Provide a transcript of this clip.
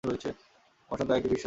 আমার সন্তান একটা বিশ্বাসঘাতক!